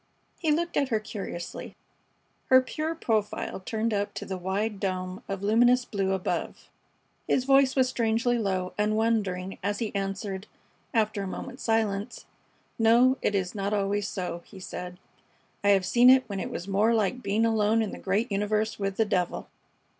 He looked at her curiously, her pure profile turned up to the wide dome of luminous blue above. His voice was strangely low and wondering as he answered, after a moment's silence: "No, it is not always so," he said. "I have seen it when it was more like being alone in the great universe with the devil."